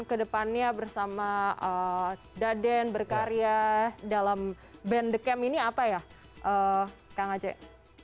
kedepannya bersama daden berkarya dalam band the camp ini apa ya kang aceh